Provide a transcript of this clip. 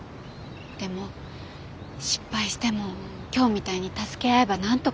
でも失敗しても今日みたいに助け合えば何とかなるし。